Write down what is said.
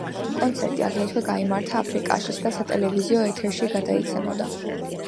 კონცერტი აგრეთვე გაიმართა აფრიკაშიც და სატელევიზიო ეთერში გადაიცემოდა.